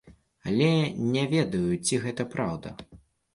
Але не ведаю, ці гэта праўда.